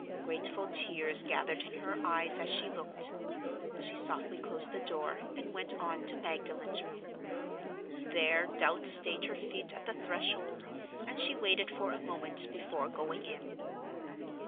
Grateful tears gathered in her eyes as she looked: she softly closed the door, and went on to Magdalen's room. There doubt stayed her feet at the threshold, and she waited for a moment before going in.